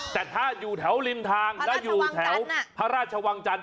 แต่ถ้าอยู่แถวริมทางแล้วอยู่แถวพระราชวังจันท